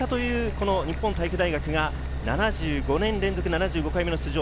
この日本体育大学、７５年連続７５回目の出場。